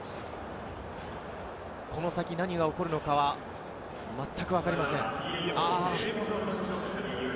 この先、何が起こるのかはわかりません。